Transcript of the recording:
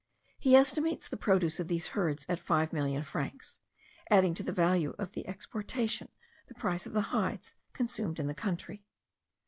He estimates the produce of these herds at 5,000,000 francs; adding to the value of the exportation the price of the hides consumed in the country.